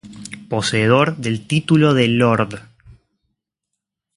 Poseedor del título de Lord.